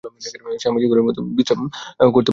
স্বামীজি ঘরের মধ্যে বিশ্রাম করিতেছিলেন।